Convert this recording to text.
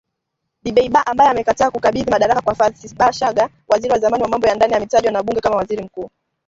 Dbeibah ambaye amekataa kukabidhi madaraka kwa Fathi Bashagha, waziri wa zamani wa mambo ya ndani aliyetajwa na bunge kama waziri mkuu.